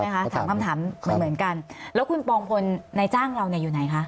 ถามคำถามเหมือนเหมือนกันแล้วคุณปองพลในจ้างเราเนี่ยอยู่ไหนคะ